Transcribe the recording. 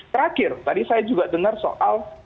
terakhir tadi saya juga dengar soal